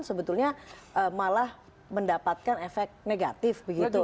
sebetulnya malah mendapatkan efek negatif begitu